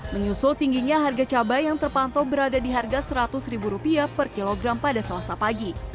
menyusul tingginya harga cabai yang terpantau berada di harga rp seratus per kilogram pada selasa pagi